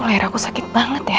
lahir aku sakit banget ya